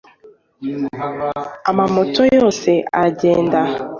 Ama moto yose aragenda